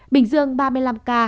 bình dương ba mươi năm ca